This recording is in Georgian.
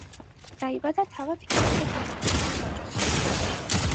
დაიბადა თავად იოსებ ნაკაშიძის ოჯახში.